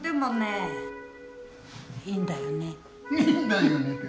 いいんだよねって。